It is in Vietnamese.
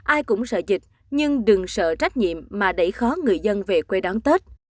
ai cũng sợ dịch nhưng đừng sợ trách nhiệm mà đẩy khó người dân về quê đón tết